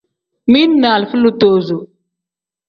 Mili ni alifa litozo.